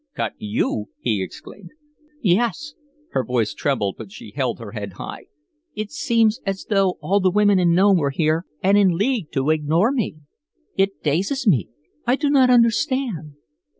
"Cut YOU?" he exclaimed. "Yes." Her voice trembled, but she held her head high. "It seems as though all the women in Nome were here and in league to ignore me. It dazes me I do not understand."